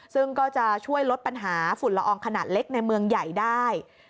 ซึ่งก็จะช่วยลดปัญหาฝุ่นละอองขนาดเล็กในเมืองใหญ่ได้